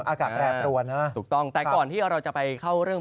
อากาศแปรปรวนนะถูกต้องแต่ก่อนที่เราจะไปเข้าเรื่อง